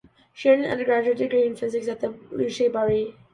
She earned her undergraduate degree in physics at the University of Bari.